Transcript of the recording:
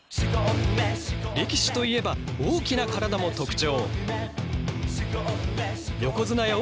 力士といえば大きな体も特徴。